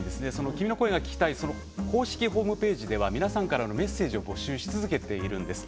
「君の声が聴きたい」公式ホームページでは皆さんからのメッセージを募集し続けているんです。